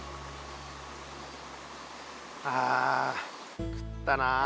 ああ食ったなあ。